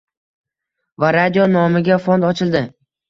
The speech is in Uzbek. va radio nomiga fond ochildi.